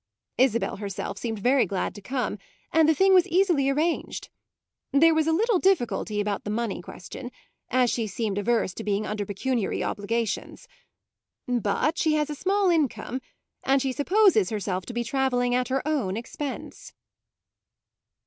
Isabel herself seemed very glad to come, and the thing was easily arranged. There was a little difficulty about the money question, as she seemed averse to being under pecuniary obligations. But she has a small income and she supposes herself to be travelling at her own expense."